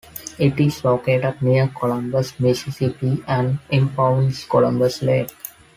It is located near Columbus, Mississippi, and impounds Columbus Lake.